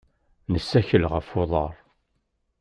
Nessakel ɣef uḍar.